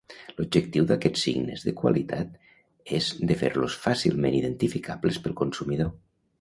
L'objectiu d'aquests signes de qualitat és de fer-los fàcilment identificables pel consumidor.